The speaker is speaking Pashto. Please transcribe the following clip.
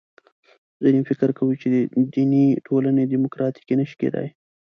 ځینې فکر کوي چې دیني ټولنې دیموکراتیکې نه شي کېدای.